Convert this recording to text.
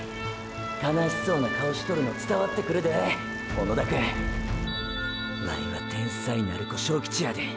悲しそうな顔しとるの伝わってくるで小野田くんワイは天才鳴子章吉やで。